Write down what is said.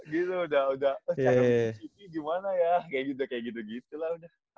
gitu udah udah cara cv gimana ya kayak gitu gitu gitu lah udah